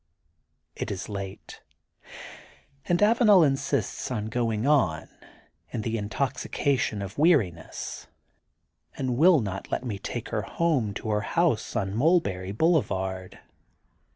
It is late, and Avanel insists on going on, in the intoxication of weariness, and will not let me take her to her house on Mulberry Boulevard.